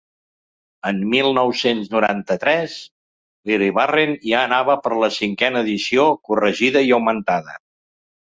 En mil nou-cents noranta-tres l'Iribarren ja anava per la cinquena edició, corregida i augmentada.